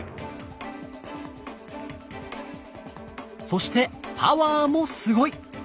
そしてパワーもすごい！